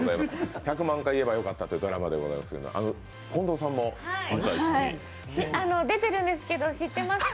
「１００万回言えばよかった」というドラマですけれども、近藤さんも、出ているんですけど、知ってますか？